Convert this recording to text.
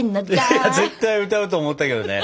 いや絶対歌うと思ったけどね。